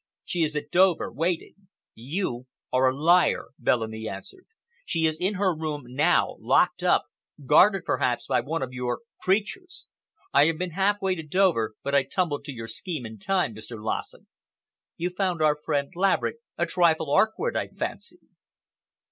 She is at Dover, waiting." "You are a liar!" Bellamy answered. "She is in her room now, locked up—guarded, perhaps, by one of your creatures. I have been half way to Dover, but I tumbled to your scheme in time, Mr. Lassen. You found our friend Laverick a trifle awkward, I fancy."